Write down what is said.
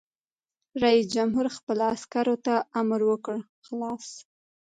رئیس جمهور خپلو عسکرو ته امر وکړ؛ خلاص!